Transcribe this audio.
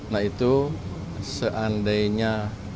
nah itu seandainya tiga puluh tujuh lima